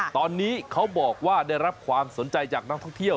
ตอนนี้เขาบอกว่าได้รับความสนใจจากนักท่องเที่ยว